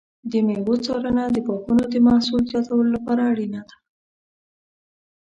د مېوو څارنه د باغونو د محصول زیاتولو لپاره اړینه ده.